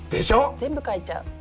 全部書いちゃう。